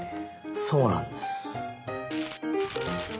そうなんです。